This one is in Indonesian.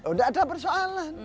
enggak ada persoalan